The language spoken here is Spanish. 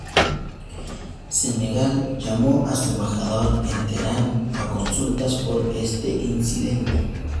Senegal llamó a su embajador en Teherán a consultas por este incidente.